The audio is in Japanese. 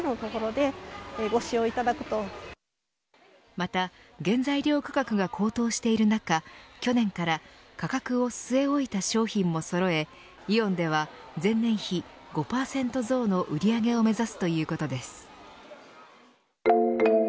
また原材料価格が高騰している中去年から価格を据え置いた商品も揃えイオンでは、前年比５％増の売り上げを目指すということです。